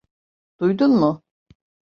Duydun mu?